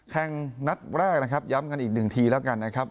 แข่งนัดแรกนะครับย้ำกันอีกหนึ่งทีแล้วกันนะครับ